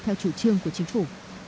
theo chủ trương của chính phủ